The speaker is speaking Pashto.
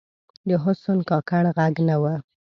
د حسن کاکړ ږغ نه و